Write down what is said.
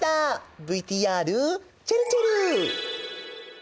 ＶＴＲちぇるちぇる！